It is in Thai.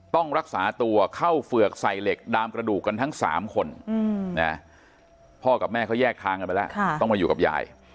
ต้องรักษาตัวเข้าเฝือกใส่เหล็กดามกระดูกกันทั้ง๓คนพ่อกับแม่เขาแยกทางกันไปแล้วต้องมาอยู่กับยาย